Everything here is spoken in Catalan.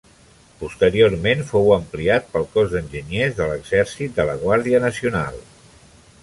Posteriorment fou ampliat pel Cos d'Enginyers de l'Exèrcit de la Guàrdia Nacional.